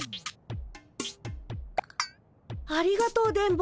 ありがとう電ボ。